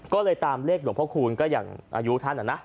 ก็เลยตามเลขหลวงพ่อคูณก็อย่างอายุท่านอ่ะนะ